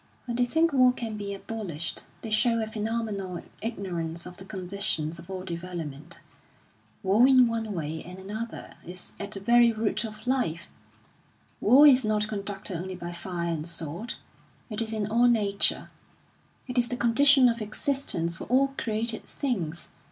When they think war can be abolished, they show a phenomenal ignorance of the conditions of all development. War in one way and another is at the very root of life. War is not conducted only by fire and sword; it is in all nature, it is the condition of existence for all created things.